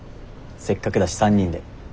せっかくだし３人で。